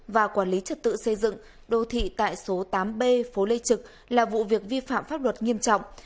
và quản lý trật tự xây dựng đô thị tại số tám b phố lê trực là vụ việc vi phạm pháp luật nghiêm trọng